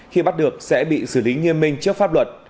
khi bắt được sẽ bị xử lý nghiêm minh trước pháp luật